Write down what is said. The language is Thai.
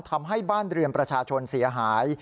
ทำให้บ้านเรือนประชาชนเสียหาย